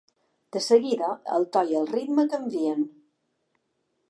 De seguida, el to i el ritme canvien.